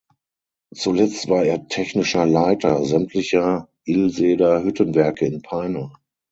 Zuletzt war er technischer Leiter sämtlicher Ilseder Hüttenwerke in Peine.